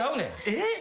えっ！？